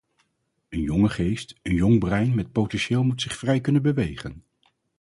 Een jonge geest, een jong brein met potentieel moet zich vrij kunnen bewegen.